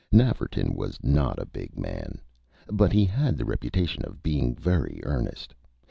Nafferton was not a big man; but he had the reputation of being very "earnest."